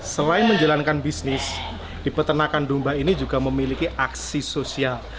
selain menjalankan bisnis di peternakan domba ini juga memiliki aksi sosial